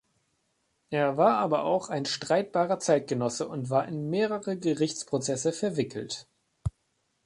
Er war aber auch ein streitbarer Zeitgenosse und war in mehrere Gerichtsprozesse verwickelt.